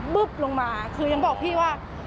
ึ๊บลงมาคือยังบอกพี่ว่า